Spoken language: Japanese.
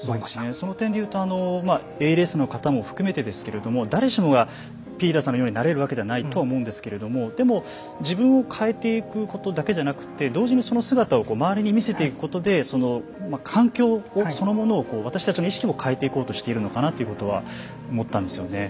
その点で言うとＡＬＳの方も含めてですけれども誰しもがピーターさんのようになれるわけではないとは思うんですけれどもでも自分を変えていくことだけじゃなくて同時にその姿を周りに見せていくことでその環境そのものを私たちの意識を変えていこうとしているのかなということは思ったんですよね。